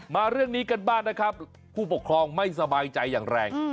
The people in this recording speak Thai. มาเรื่องนี้กันบ้างนะครับผู้ปกครองไม่สบายใจอย่างแรง